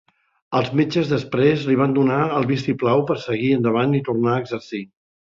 Els metges després li van donar el vistiplau per seguir endavant i tornar a exercir.